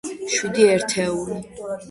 შვიდი ერთეული.